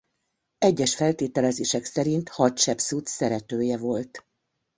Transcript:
Egyes feltételezések szerint Hatsepszut szeretője volt.